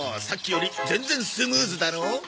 さっきより全然スムーズだろう。